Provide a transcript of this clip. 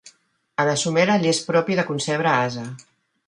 A la somera li és propi de concebre ase.